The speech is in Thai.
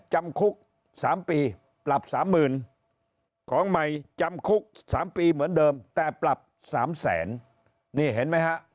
จำคุก๓ปีปรับสามหมื่นของใหม่จำคุก๓ปีเหมือนเดิมแต่ปรับ๓แสนนี่เห็นไหมฮะ